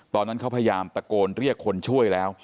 ตอนนั้นเขาพยายามตะโกนเรียกคนช่วยแล้ว